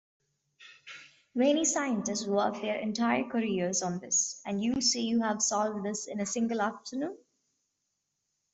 Many scientists work their entire careers on this, and you say you have solved this in a single afternoon?